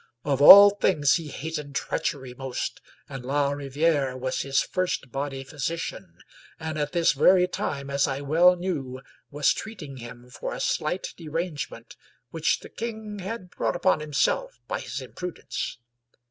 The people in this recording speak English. Of all things he hated treachery most, and La Riviere was his first body physician, and at this very time, as I well knew, was treating him for a slight derangement which the king had brought upon himself by his imprudence.